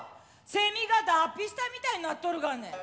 セミが脱皮したみたいになっとるがね！